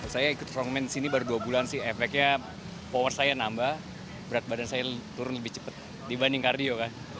saya ikut frong man sini baru dua bulan sih efeknya power saya nambah berat badan saya turun lebih cepat dibanding kardio kan